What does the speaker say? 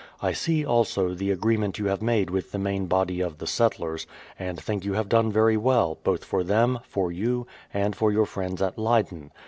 I see, also, the agreement you have made with the main body of the settlers, and think you have done very well, both for them, for you, and for your friends at Leyden.